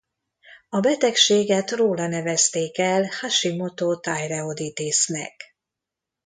A betegséget róla nevezték el Hashimoto-thyreoiditisnek.